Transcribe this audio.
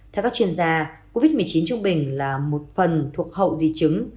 theo các chuyên gia covid một mươi chín trung bình là một phần thuộc hậu di chứng